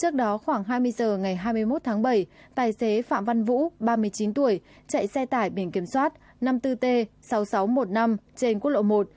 trước đó khoảng hai mươi h ngày hai mươi một tháng bảy tài xế phạm văn vũ ba mươi chín tuổi chạy xe tải biển kiểm soát năm mươi bốn t sáu nghìn sáu trăm một mươi năm trên quốc lộ một